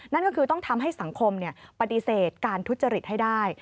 นั่นก็คือต้องทำให้สังคมปฏิเสธการทุจริตให้ได้